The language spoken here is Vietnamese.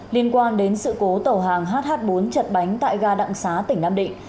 liên quan đến sự cố tàu hàng hh bốn chật bánh tại ga đạm xá tỉnh nam định